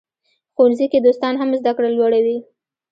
ښوونځي کې دوستان هم زده کړه لوړوي.